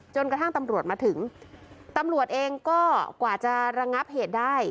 จนกระทั่งตำรวจมาถึงตำรวจเองก็กว่าจะระงับเหตุได้